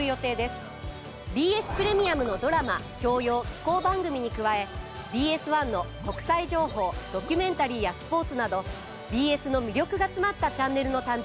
ＢＳプレミアムのドラマ教養紀行番組に加えＢＳ１の国際情報ドキュメンタリーやスポーツなどＢＳの魅力が詰まったチャンネルの誕生です。